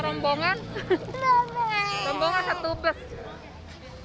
rombongan satu bus